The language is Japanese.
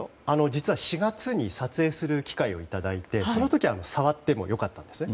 実は４月に撮影する機会をいただいてその時は触っても良かったんですね。